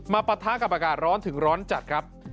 ปะทะกับอากาศร้อนถึงร้อนจัดครับ